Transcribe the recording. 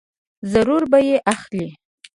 ضرور به یې اخلې !